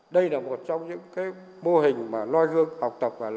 đây là một trong những mô hình loa hương học tập